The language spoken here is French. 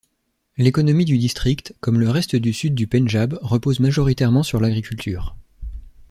L'économie du district, comme le reste du sud du Pendjab, repose majoritairement sur l'agriculture.